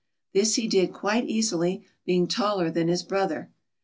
This he did quite easil} , being taller than his brother.